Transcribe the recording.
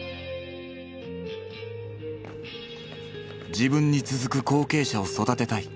自分に続く後継者を育てたい。